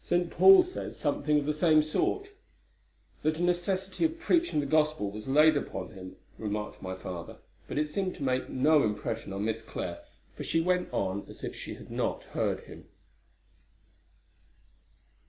"St. Paul says something of the same sort, that a necessity of preaching the gospel was laid upon him," remarked my father; but it seemed to make no impression on Miss Clare, for she went on as if she had not heard him.